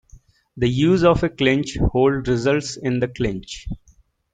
The use of a clinch hold results in the clinch.